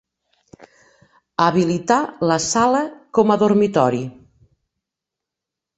Habilitar la sala com a dormitori.